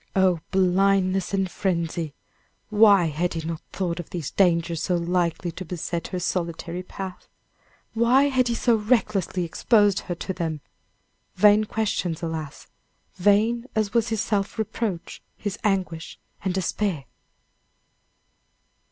Oh, blindness and frenzy; why had he not thought of these dangers so likely to beset her solitary path? Why had he so recklessly exposed her to them? Vain questions, alas! vain as was his self reproach, his anguish and despair!